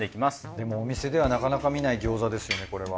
でもお店ではなかなか見ない餃子ですよねこれは。